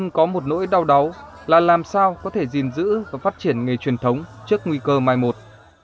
nhưng có một nỗi đau đáu là làm sao có thể gìn giữ và phát triển nghề truyền thống trước nguy cơ mai một